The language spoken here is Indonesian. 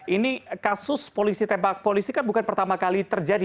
ini kasus polisi tembak polisi kan bukan pertama kali terjadi